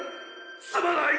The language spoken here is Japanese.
すまない！